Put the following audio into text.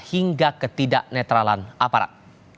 hingga ketidak netralan aparat